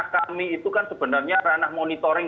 kami itu kan sebenarnya ranah monitoring